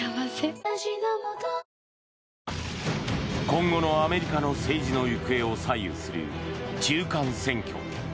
今後のアメリカの政治の行方を左右する中間選挙。